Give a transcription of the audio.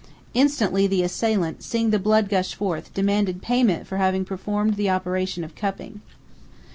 Instantly, the assailant, seeing the blood gush forth, demanded payment for having performed the operation of cupping.